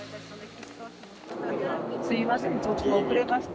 すいませんちょっと遅れまして。